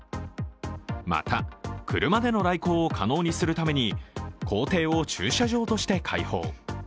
また車での来校を可能にするために、校庭を駐車場として開放。